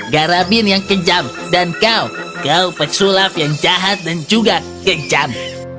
garabin yang kejam dan kau kau pesulap yang jahat dan juga kejam